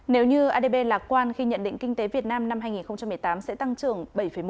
nếu như adb lạc quan khi nhận định kinh tế việt nam năm hai nghìn một mươi tám sẽ tăng trưởng bảy một